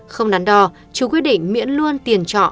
không nắn đo chú quyết định miễn luôn tiền trọ